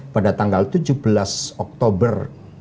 pada tanggal tujuh belas oktober dua ribu dua puluh